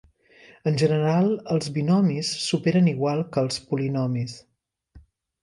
En general els binomis s'operen igual que els polinomis.